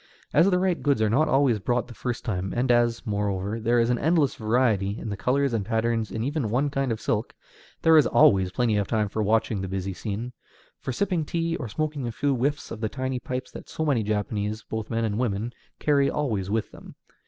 As the right goods are not always brought the first time, and as, moreover, there is an endless variety in the colors and patterns in even one kind of silk, there is always plenty of time for watching the busy scene, for sipping tea, or smoking a few whiffs from the tiny pipes that so many Japanese, both men and women, carry always with them.